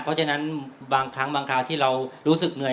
เพราะฉะนั้นบางครั้งบางคราวที่เรารู้สึกเหนื่อย